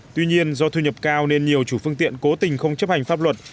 tuy nhiên do thu nhập cao nên nhiều chủ phương tiện cố tình không chấp hành pháp luật